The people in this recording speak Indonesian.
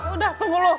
udah tunggu lo